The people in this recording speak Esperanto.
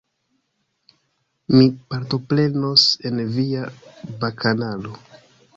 Mi partoprenos en via bakanalo.